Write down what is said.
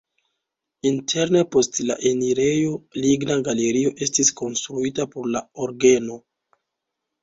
Interne post la enirejo ligna galerio estis konstruita por la orgeno.